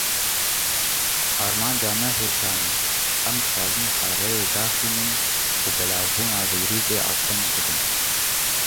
Armanca me hêsan e, em dixwazin xareyê daxînin, û belavbûna vîrusê asteng bikin.